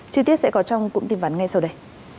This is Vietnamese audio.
chi tiết sẽ có trong cụm tin vắn ngay sau đây